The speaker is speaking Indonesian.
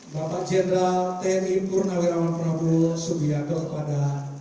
bapak jendral tni purnawirawan prabowo subiakul pada